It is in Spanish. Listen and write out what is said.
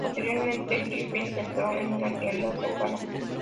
Posteriormente, Griffin entró en una tienda cercana.